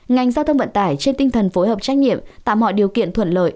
ngành giao thông vận tải trên tinh thần phối hợp trách nhiệm tạo mọi điều kiện thuận lợi